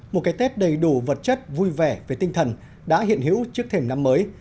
một cái tết đầy đủ vật chất vui vẻ với tinh thần đã hiện hữu trước thềm năm mới